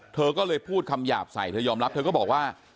เธอก็เลยพูดคำหยาบใส่เธอยอมรับเธอก็บอกว่า